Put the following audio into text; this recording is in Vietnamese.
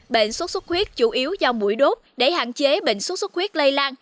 bệnh xuất xuất khuyết chủ yếu do mũi đốt để hạn chế bệnh xuất xuất khuyết lây lan